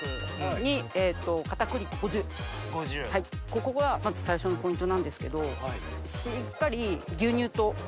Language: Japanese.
ここがまず最初のポイントなんですけどしっかり。